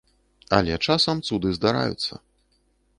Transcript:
Але часам цуды здараюцца.